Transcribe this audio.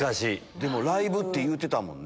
でもライブって言うてたもんね。